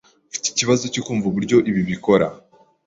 Mfite ikibazo cyo kumva uburyo ibi bikora.